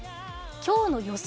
今日の予想